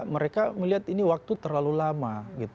mereka melihat ini waktu terlalu lama